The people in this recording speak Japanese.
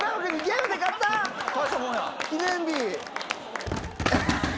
記念日。